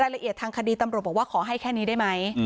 ละเอียดทางคดีตำรวจบอกว่าขอให้แค่นี้ได้ไหม